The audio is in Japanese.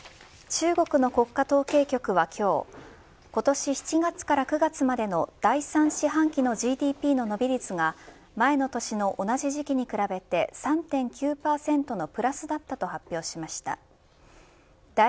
中国の国家統計局は今日今年７月から９月までの第３四半期のＧＤＰの伸び率が前の年の同じ時期に比べて３．９％のプラスだったと発表しました。